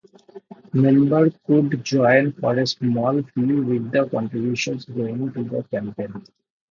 Members could join for a small fee with the contributions going to the campaign.